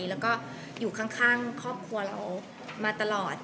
แล้วก็อยู่ข้างครอบครัวเรามาตลอด